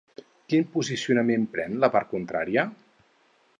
Quin posicionament pren la part contrària?